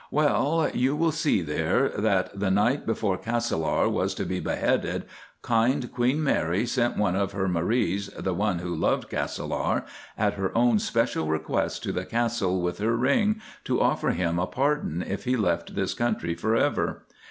"Well, you will see there that the night before Castelar was to be beheaded kind Queen Mary sent one of her Maries, the one who loved Castelar, at her own special request to the Castle with her ring to offer him a pardon if he left this country for ever.